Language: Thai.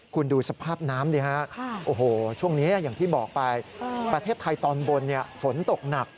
คุณดูสภาพน้ำดิฮะโอ้โหช่วงนี้อย่างที่บอกไปประเทศไทยตอนบนฝนตกหนัก